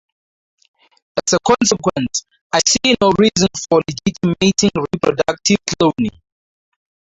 As a consequence, I see no reason for legitimating reproductive cloning.